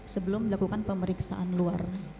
sebelum dilakukan pemeriksaan luar